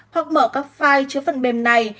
hoặc mở các file chứa phần mềm này